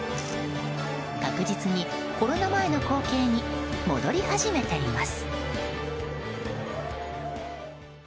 確実にコロナ前の光景に戻り始めています。